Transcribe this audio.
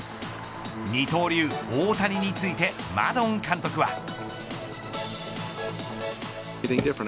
二刀流、大谷についてマドン監督は。